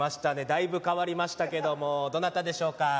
だいぶ変わりましたけどもどなたでしょうか？